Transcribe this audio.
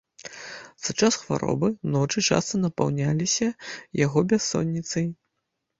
За час хваробы ночы часта напаўняліся яго бяссонніцай.